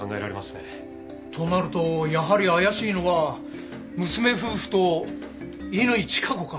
となるとやはり怪しいのは娘夫婦と乾チカ子か。